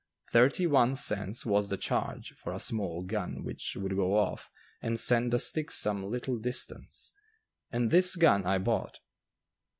Thirty one cents was the "charge" for a small gun which would "go off" and send a stick some little distance, and this gun I bought.